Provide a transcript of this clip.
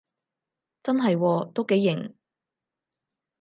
真係喎，都幾型